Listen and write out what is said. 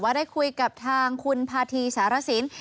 ได้คุยกับทางคุณพาธีสารสิน